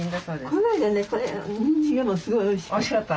この間ねこれにんじんがもうすごいおいしかった。